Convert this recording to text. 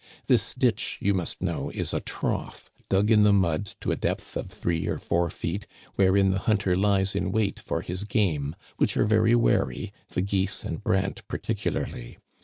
This ditch, you must know, is a trough dug in the mud to a depth of three or four feet, wherein the hunter lies in wait for his game, which are very wary, the geese and brant particularly.